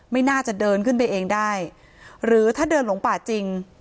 ไม่น่าจะเดินขึ้นไปเองได้หรือถ้าเดินหลงป่าจริง